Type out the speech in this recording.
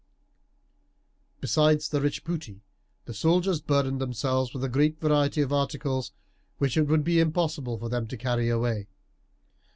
Besides the rich booty, the soldiers burdened themselves with a great variety of articles which it would be impossible for them to carry away.